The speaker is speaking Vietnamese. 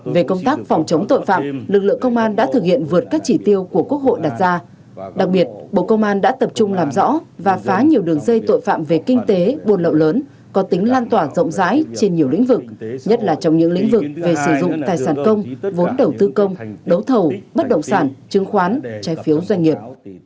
về công tác phòng chống tội phạm lực lượng công an đã thực hiện vượt các chỉ tiêu của quốc hội đặt ra đặc biệt bộ công an đã tập trung làm rõ và phá nhiều đường dây tội phạm về kinh tế buồn lậu lớn có tính lan tỏa rộng rãi trên nhiều lĩnh vực nhất là trong những lĩnh vực về sử dụng tài sản công vốn đầu tư công đấu thầu bất động sản chứng khoán trái phiếu doanh nghiệp